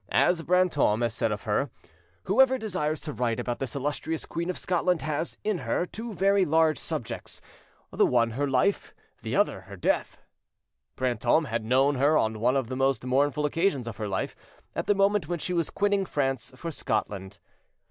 As Brantome has said of her, "Whoever desires to write about this illustrious queen of Scotland has, in her, two very, large subjects, the one her life, the other her death," Brantome had known her on one of the most mournful occasions of her life—at the moment when she was quitting France for Scotland.